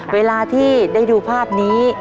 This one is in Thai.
เวลาที่ได้ดูภาพนี้